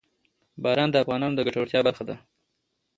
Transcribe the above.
باران د افغانانو د ګټورتیا برخه ده.